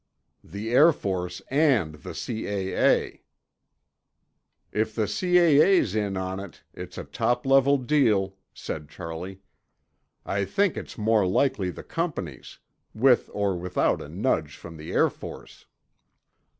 "The Air Force and the C.A.A." "If the C.A.A.'s in on it, it's a top level deal," said Charley. "I think it's more likely the companies—with or without a nudge from the Air Force."